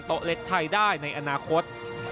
เล็กไทยได้ในอนาคต